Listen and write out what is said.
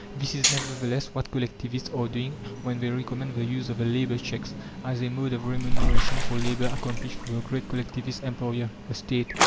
This is, nevertheless, what collectivists are doing when they recommend the use of the labour cheques as a mode of remuneration for labour accomplished for the great Collectivist employer the State.